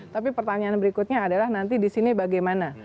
tapi pertanyaan berikutnya adalah nanti di sini bagaimana